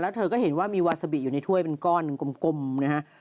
เธอก็เห็นว่ามีวาซาบิอยู่ในถ้วยเป็นก้อนกลมนะฮะ